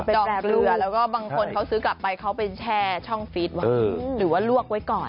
ดอกเรือแล้วก็บางคนเขาซื้อกลับไปเขาเป็นแช่ช่องฟีดว่ะหรือว่าลวกไว้ก่อน